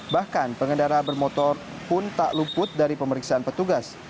bahkan pengendara bermotor pun tak luput dari pemeriksaan petugas